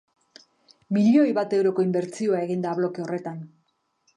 Milioi bat euroko inbertsioa egingo da bloke horretan.